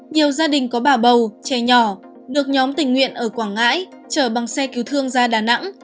nhiều gia đình có bà bầu trẻ nhỏ được nhóm tình nguyện ở quảng ngãi chở bằng xe cứu thương ra đà nẵng